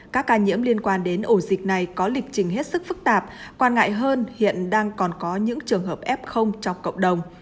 các ca nhiễm liên quan đến ổ dịch này có lịch trình hết sức phức tạp quan ngại hơn hiện đang còn có những trường hợp f trong cộng đồng